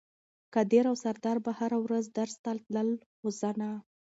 قادر او سردار به هره ورځ درس ته تلل خو زه نه.